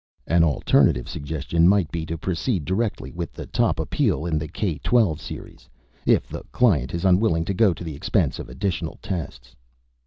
An alternative suggestion might be to proceed directly with the top appeal in the K12 series, if the client is unwilling to go to the expense of additional tests.